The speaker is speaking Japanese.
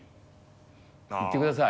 行ってください